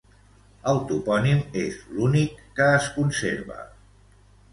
El topònim és l'únic que es conserva.